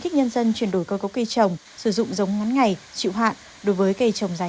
với năng chuyển đổi cơ cấu cây trồng sử dụng giống ngắn ngày chịu hạn đối với cây trồng dài